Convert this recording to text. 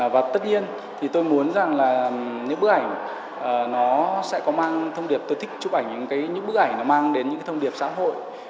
và tất nhiên thì tôi muốn rằng là những bức ảnh nó sẽ có mang thông điệp tôi thích chụp ảnh những bức ảnh nó mang đến những thông điệp xã hội